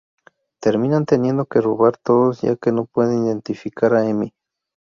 Terminan teniendo que robar todos ya que no pueden identificar a Emmy.